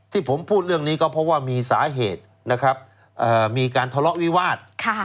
ที่ผมพูดเรื่องนี้ก็เพราะว่ามีสาเหตุนะครับมีการทะเลาะวิวาส